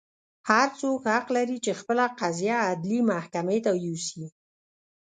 هر څوک حق لري چې خپله قضیه عدلي محکمې ته یوسي.